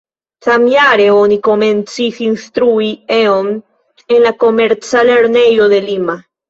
Samjare oni komencis instrui E-on en la Komerca lernejo de Lima.